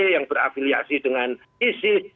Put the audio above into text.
yang berafiliasi dengan isi